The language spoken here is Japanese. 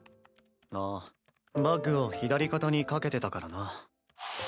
ああバッグを左肩に掛けてたからな。